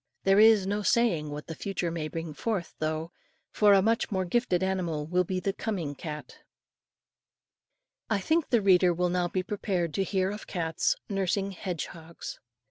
There is no saying what the future may bring forth, though, for a much more gifted animal will be the coming cat. I think the reader will now be prepared to hear of cats NURSING HEDGEHOGS.